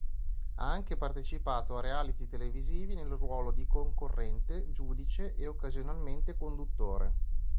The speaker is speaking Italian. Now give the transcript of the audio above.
Ha anche partecipato a reality televisivi nel ruolo di concorrente, giudice e occasionalmente conduttore.